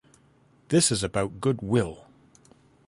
This is about goodwill.